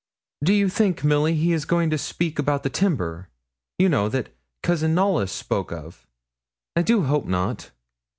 'Do you think, Milly, he is going to speak about the timber, you know, that Cousin Knollys spoke of? I do hope not.'